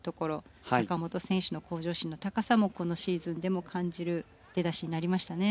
坂本選手の向上心の高さもこのシーズンでも感じる出だしになりましたね。